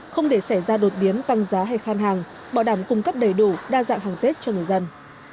không để xảy ra đột biến tăng giá hay khan hàng bảo đảm cung cấp đầy đủ đa dạng hàng tết cho người dân